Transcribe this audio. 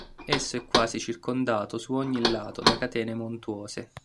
Esso è quasi circondato su ogni lato da catene montuose.